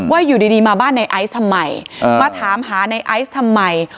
อยู่ดีมาบ้านในไอซ์ทำไมมาถามหาในไอซ์ทำไม